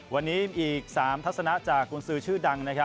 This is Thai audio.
วันนี้มีอีก๓ทัศนะจากกุญสือชื่อดัง